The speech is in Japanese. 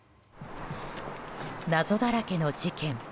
謎だらけの事件。